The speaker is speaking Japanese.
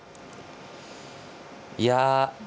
いや、